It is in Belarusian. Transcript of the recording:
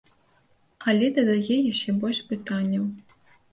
Але дадае яшчэ больш пытанняў.